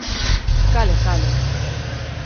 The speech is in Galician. Cale, cale.